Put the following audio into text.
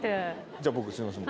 じゃあ僕すみません。